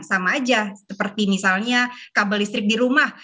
sama aja seperti misalnya kabel listrik di rumah